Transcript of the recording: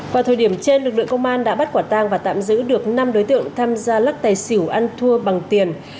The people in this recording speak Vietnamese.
vào thời điểm trên lực lượng công an đã bắt quả tang và tạm giữ được năm đối tượng tham gia lắc tài xỉu ăn thua bằng tiền